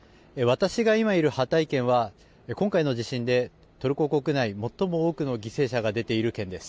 私が今いるハタイ県は今回の地震でトルコ国内最も多くの犠牲者が出ている県です。